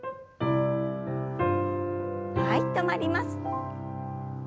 はい止まります。